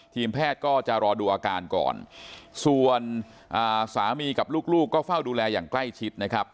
ทีมแพทย์ก็จะรอดูอาการก่อนส่วนสามีกับลูกลูกก็เฝ้าดูแลอย่างใกล้ชิดนะครับ